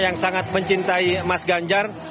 yang sangat mencintai mas ganjar